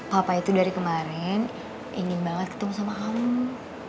papa itu dari kemarin ingin banget ketemu sama kamu